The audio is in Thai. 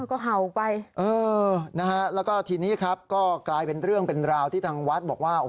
ก็เห่าไปเออนะฮะแล้วก็ทีนี้ครับก็กลายเป็นเรื่องเป็นราวที่ทางวัดบอกว่า